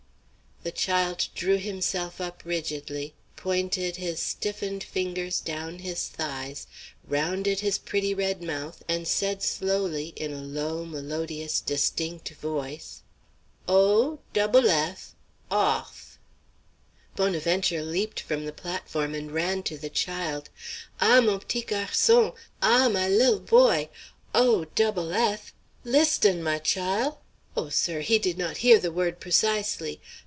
The child drew himself up rigidly, pointed his stiffened fingers down his thighs, rounded his pretty red mouth, and said slowly, in a low, melodious, distinct voice: "'O double eth, awth." Bonaventure leapt from the platform and ran to the child. "Ah! mon p'tit garçon ah! my lil boy! 'O double eth, listten, my chile. O, sir, he did not hear the word precisely.